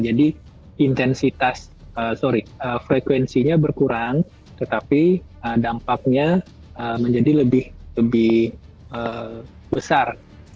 jadi intensitas sorry frekuensinya berkurang tetapi dampaknya menjadi lebih besar